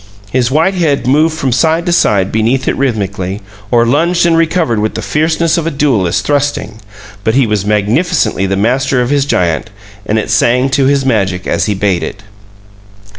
His white head moved from side to side beneath it rhythmically, or lunged and recovered with the fierceness of a duelist thrusting, but he was magnificently the master of his giant, and it sang to his magic as he bade it.